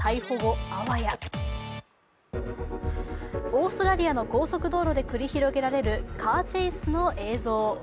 オーストラリアの高速道路で繰り広げられるカーチェイスの映像。